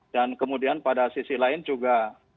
dan kemudian pada sisi lain juga